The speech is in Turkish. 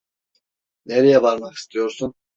Nereye varmak istiyorsun?